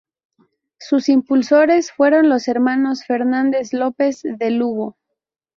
Sus impulsores fueron los hermanos Fernández López, de Lugo.